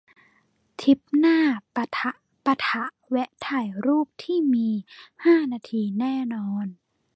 ทริปหน้า ปะทะ ปะทะ แวะถ่ายรูปทีมีห้านาทีแน่นอน